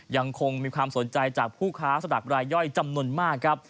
ยังคงมีความสนใจจากผู้ค้าสลากรายย่อยจำนวนมากครับ